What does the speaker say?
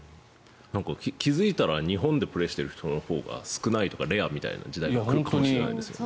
なんか気付いたら日本でプレーをしている人のほうが少ないとかレアみたいな時代が来るかもしれないですね。